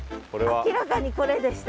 明らかにこれでした。